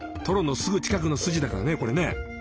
トロのすぐ近くのスジだからねこれね。